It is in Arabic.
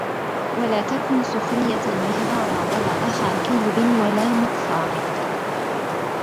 ولا تكن سُخرية مهذارا ولا أخا كِذبٍ ولا مكثارا